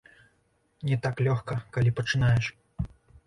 Не так лёгка, калі пачынаеш.